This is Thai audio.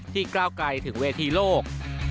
ก้าวไกลถึงเวทีโลก